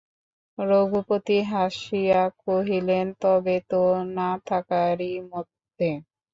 রঘুপতি হাসিয়া কহিলেন, তবে তো না থাকারই মধ্যে।